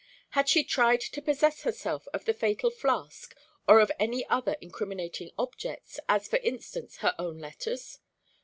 Had she tried to possess herself of the fatal flask, or of any other incriminating objects, as for instance her own letters?